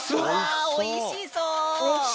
あおいしそう！